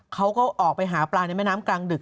เขาก็ออกไปหาปลาในแม่น้ำกลางดึก